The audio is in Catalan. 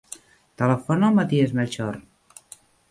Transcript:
Telefona al Matías Melchor.